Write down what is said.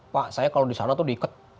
pak saya kalau di sana tuh diikat